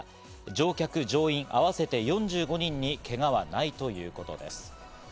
乗客乗員合わせて４５人にけがはないということです。